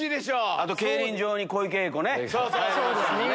あと「競輪場に小池栄子」ね。